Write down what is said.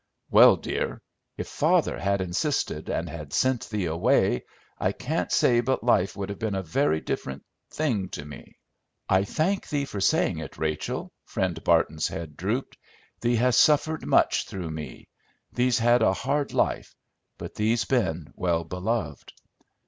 "Well, dear, if father had insisted and had sent thee away, I can't say but life would have been a very different thing to me." "I thank thee for saying it, Rachel." Friend Barton's head drooped. "Thee has suffered much through me; thee's had a hard life, but thee's been well beloved."